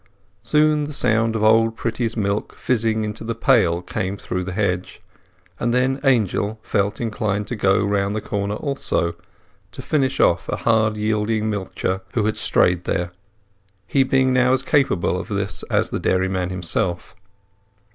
Soon the sound of Old Pretty's milk fizzing into the pail came through the hedge, and then Angel felt inclined to go round the corner also, to finish off a hard yielding milcher who had strayed there, he being now as capable of this as the dairyman himself.